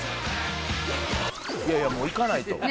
いやいやもう行かないと。